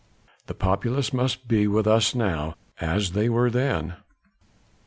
The populace must be with us now as they were then."